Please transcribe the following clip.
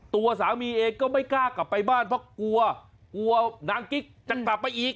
ตัวสามีเองก็ไม่กล้ากลับไปบ้านเพราะกลัวกลัวนางกิ๊กจะกลับมาอีก